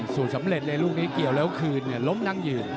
สูตรสำเร็จเลยลูกนี้เกี่ยวแล้วคืนล้มนั่งยืน